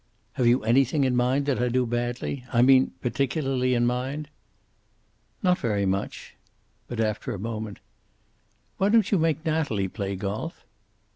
"Have you anything in mind that I do badly? I mean, particularly in mind." "Not very much." But after a moment: "Why don't you make Natalie play golf?"